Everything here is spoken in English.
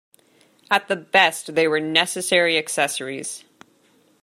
At the best, they were necessary accessories.